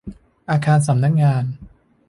อาคารสำนักงาน